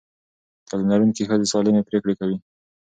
تعلیم لرونکې ښځې سالمې پرېکړې کوي.